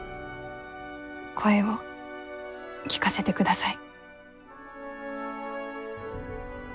声を聞かせてください。